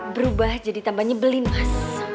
berubah jadi tambahnya beli mas